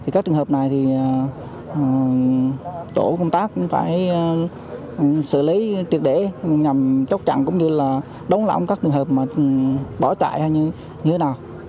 các trường hợp này thì tổ công tác cũng phải xử lý triệt để nhằm chốc chặn cũng như là đống lỏng các trường hợp bỏ chạy hay như thế nào